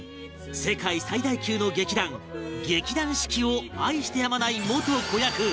世界最大級の劇団劇団四季を愛してやまない元子役